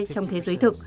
trong thế giới thực